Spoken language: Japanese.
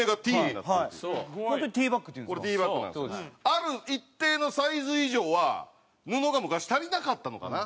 ある一定のサイズ以上は布が昔足りなかったのかな。